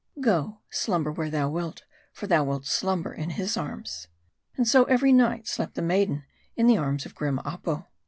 Go, slumber where thou wilt ; for thou wilt slumber in his arms." And so, every night, slept the maiden in the arms of grim Apo.